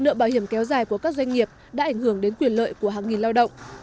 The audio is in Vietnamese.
nợ bảo hiểm kéo dài của các doanh nghiệp đã ảnh hưởng đến quyền lợi của hàng nghìn lao động